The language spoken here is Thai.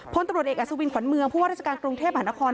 พลตำรวจเอกอัศวินขวัญเมืองผู้ว่าราชการกรุงเทพหานคร